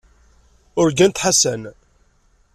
Urgant Ḥasan.